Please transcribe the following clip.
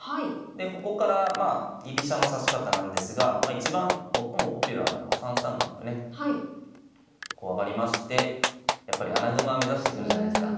でここからまあ居飛車の指し方なんですがいちばん最もポピュラーなのは３三角とねこう上がりましてやっぱり穴熊目指してくるじゃないすか。